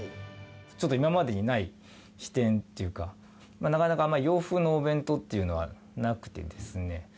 ちょっと今までにない視点っていうか、なかなかあんまり洋風のお弁当というのはなくてですね。